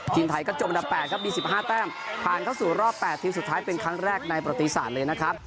ทีมไทยก็จบอันดับ๘ครับมี๑๕แต้มผ่านเข้าสู่รอบ๘ทีมสุดท้ายเป็นครั้งแรกในประติศาสตร์เลยนะครับ